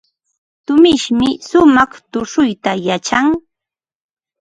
Tumishmi shumaq tushuyta yachan.